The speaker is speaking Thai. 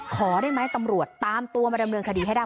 ขอได้ไหมตำรวจตามตัวมาดำเนินคดีให้ได้